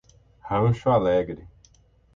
Rancho Alegre